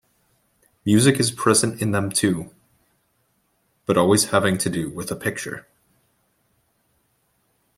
Music is present in them, too, but always having to do with a picture.